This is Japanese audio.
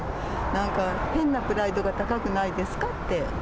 なんか、変なプライドが高くないですかって。